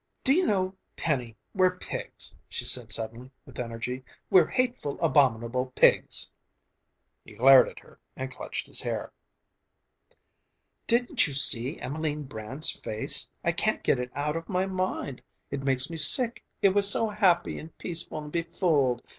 "Do you know, Penny, we're pigs!" she said suddenly, with energy. "We're hateful, abominable pigs!" He glared at her and clutched his hair. "Didn't you see Emelene Brand's face? I can't get it out of my mind! It makes me sick, it was so happy and peaceful and befooled!